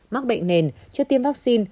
mắc bệnh nền cho tiêm vaccine